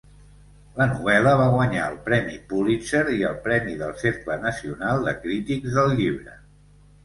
La novel·la va guanyar el Premi Pulitzer i el Premi del Cercle Nacional de Crítics del Llibre.